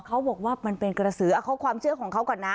เขาบอกว่ามันเป็นกระสือเอาความเชื่อของเขาก่อนนะ